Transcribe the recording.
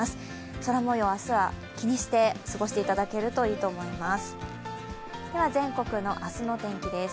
空もよう、明日は気にして過ごしていただけるといいと思います。